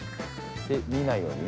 見ないようにね。